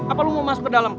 apa lo mau masuk ke dalam